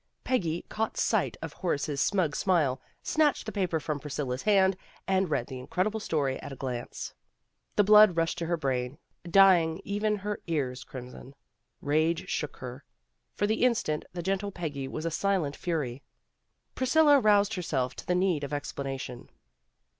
Pe'ggy caught sight of Horace's smug smile, snatched the paper from Priscilla 's hand, and read the incredible story at a glance. The blood rushed to her brain, dying even her ears crimson. Rage shook her. For the instant, the gentle Peggy was a silent fury. Priscilla roused herself to the need of ex planation.